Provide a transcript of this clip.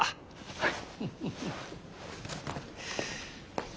はい！